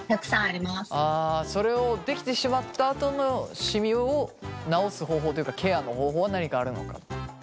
あそれをできてしまったあとのシミを治す方法というかケアの方法は何かあるのかと。